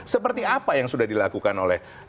seperti apa yang sudah dilakukan oleh